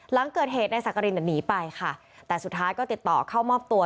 หลังเกิดเหตุนายสักกรินหนีไปค่ะแต่สุดท้ายก็ติดต่อเข้ามอบตัว